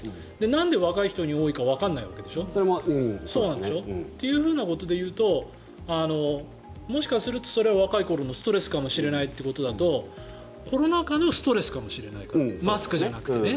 なんで若い人に多いかわからないわけでしょ。ということでいうともしかしたらすると若い頃のストレスかもしれないってなるとコロナ禍のストレスかもしれないからマスクじゃなくてね。